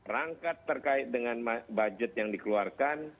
rangka terkait dengan budget yang dikeluarkan